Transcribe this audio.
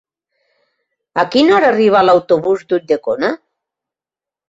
A quina hora arriba l'autobús d'Ulldecona?